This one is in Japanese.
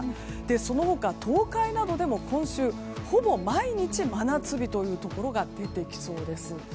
その他、東海などでも今週ほぼ毎日真夏日というところが出てきそうです。